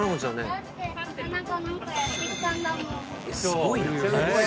「すごい。